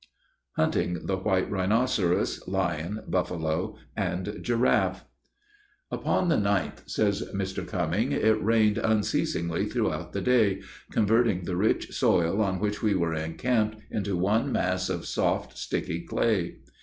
HUNTING THE WHITE RHINOCEROS, LION, BUFFALO, AND GIRAFFE. Upon the 9th, says Mr. Cumming, it rained unceasingly throughout the day, converting the rich soil on which we were encamped into one mass of soft, sticky clay.